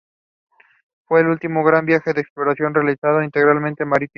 Fue el último gran viaje de exploración realizado íntegramente marítimo.